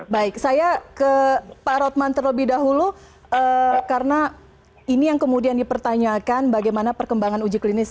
baik saya ke pak rotman terlebih dahulu karena ini yang kemudian dipertanyakan bagaimana perkembangan uji klinis